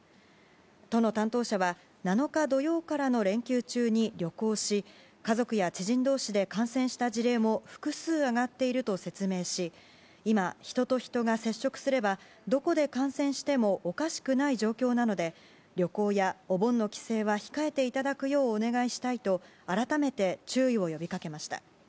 都の担当者は７日、土曜からの連休中に旅行し家族や知人同士で感染した事例も複数上がっていると説明し今、人と人が接触すればどこで感染してもおかしくない状況なので旅行やお盆の帰省は控えていただくようお願いしたいと改めて注意を呼びかけました。